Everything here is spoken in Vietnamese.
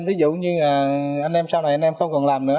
ví dụ như là anh em sau này không còn làm nữa